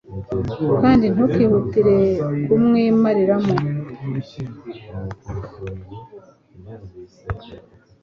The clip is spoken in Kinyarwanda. kandi ntukihutire kumwimariramo